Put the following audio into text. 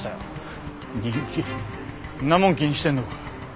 そんなもん気にしてるのか？